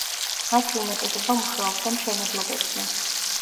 მათი უმეტესობა მუშაობდა მშენებლობებზე.